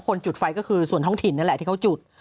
จุดไฟก็คือส่วนท้องถิ่นนั่นแหละที่เขาจุด